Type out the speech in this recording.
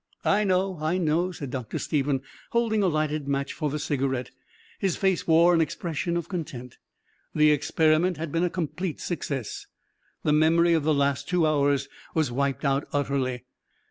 "I know, I know," said Dr. Stephen, holding a lighted match for the cigarette. His face wore an expression of content. The experiment had been a complete success. The memory of the last two hours was wiped out utterly.